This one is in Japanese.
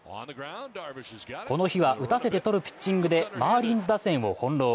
この日は打たせて取るピッチングでマーリンズ打線を翻弄。